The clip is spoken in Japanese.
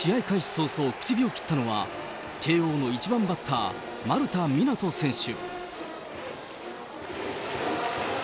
早々、口火を切ったのは、慶応の１番バッター、丸田湊斗選手。